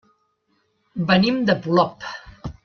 Venim de Polop.